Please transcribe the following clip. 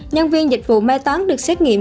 nhân viên dịch vụ mai tán được xét nghiệm